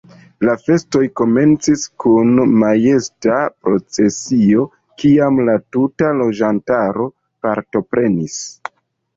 La festoj komencis kun majesta procesio kiam la tuta loĝantaro partoprenis.